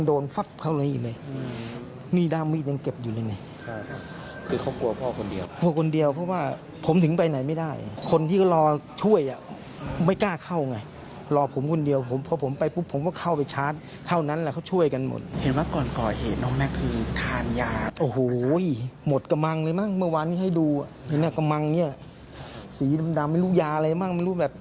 โอ้โหหมดกำมังเลยมั้งเมื่อวานให้ดูนี่กำมังเนี่ยสีดำดำไม่รู้ยาอะไรมั้ง